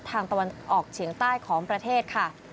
ตะวันออกเฉียงใต้ของประเทศค่ะ